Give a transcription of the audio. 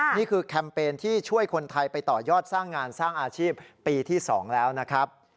นี่คือแคมเปญที่ช่วยคนไทยไปต่อยอดสร้างงานสร้างอาชีพปีที่๒แล้วนะครับ